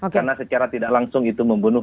karena secara tidak langsung itu membunuh